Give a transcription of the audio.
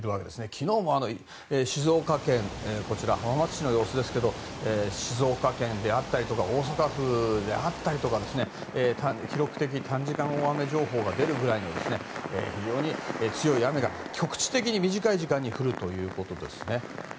昨日もね静岡県浜松市の様子ですが静岡県であったり大阪府であったりとかに記録的短時間大雨情報が出るぐらい非常に強い雨が局地的に短い時間に降るということでしたね。